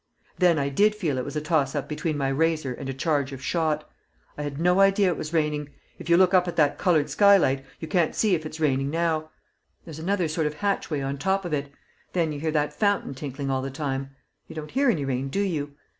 "Then I did feel it was a toss up between my razor and a charge of shot! I had no idea it was raining; if you look up at that coloured skylight, you can't say if it's raining now. There's another sort of hatchway on top of it. Then you hear that fountain tinkling all the time; you don't hear any rain, do you?